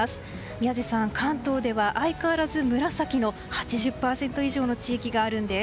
宮司さん、関東では相変わらず紫の８０％以上の地域があるんです。